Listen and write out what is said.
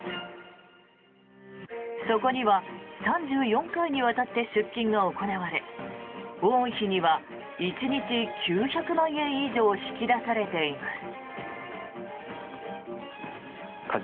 そこには３４回にわたって出金が行われ多い日には１日９００万円以上引き出されています。